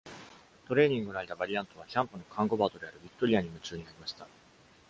トレーニングの間、バリアントはキャンプの看護鳩であるビクトリアに夢中になりました。